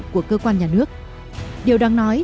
của cơ quan nhà nước điều đáng nói